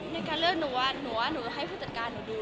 ในการเลือกหนูหนูว่าหนูให้ผู้จัดการหนูดู